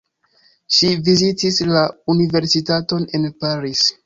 Ŝi vizitis la universitaton en Paris.